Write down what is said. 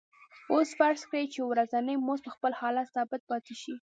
اوس فرض کړئ چې ورځنی مزد په خپل حال ثابت پاتې شي